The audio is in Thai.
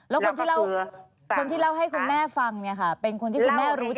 แล้วคนที่เล่าให้คุณแม่ฟังเป็นคนที่คุณแม่รู้จัก